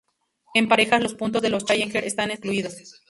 En parejas, los puntos de los Challenger están excluidos.